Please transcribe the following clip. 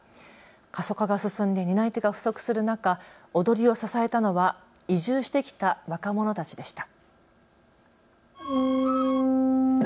過疎化が進んで担い手が不足する中、踊りを支えたのは移住してきた若者たちでした。